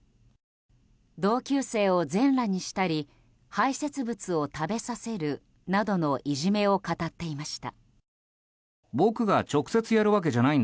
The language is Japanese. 同級生を全裸にしたり排泄物を食べさせるなどのいじめを語っていました。